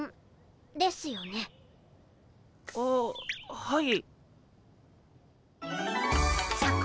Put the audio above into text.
あっはい。